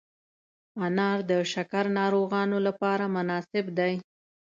انار د شکر ناروغانو لپاره مناسب دی.